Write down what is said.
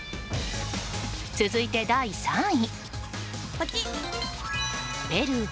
続いて第３位。